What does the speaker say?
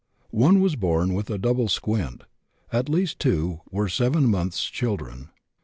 One was born with a double squint. At least 2 were 7 months' children.